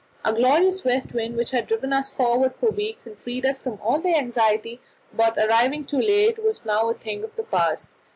Our glorious west wind, which had driven us forward for weeks, and freed us from all anxiety about arriving too late, was now a thing of the past.